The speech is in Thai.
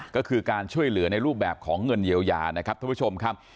ก็คือการช่วยเหลือในรูปแบบของเงินเยียวยานะครับท่านผู้ชมครับ